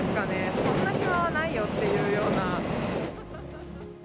そんな暇はないよっていうような。